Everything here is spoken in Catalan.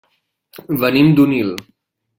Venim d'Onil.